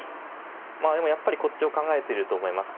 でもやっぱりこっちを考えてると思います。